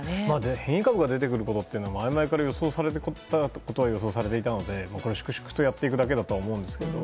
変異株が出てくることは前々から予想されていたことは予想されていたので粛々とやっていくだけだとは思うんですけど。